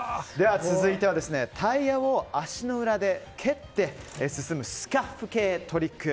続いてはタイヤを足の裏で蹴って進むスカッフ系トリック。